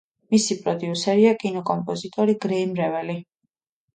მისი პროდიუსერია კინოკომპოზიტორი გრეიმ რეველი.